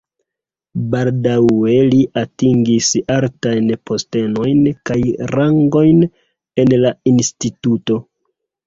Baldaŭe li atingis altajn postenojn kaj rangojn en la instituto.